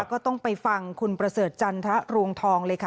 ก็ต้องไปฟังคุณประเสริฐจันทรวงทองเลยค่ะ